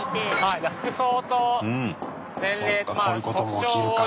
そっかこういうことも起きるか。